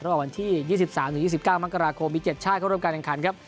ระหว่างวันที่๒๓๒๙มกราคมมี๗ชาติเข้าร่วมการแข่งขันครับ